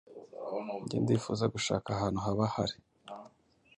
Nge ndifuza gushaka ahantu haba hari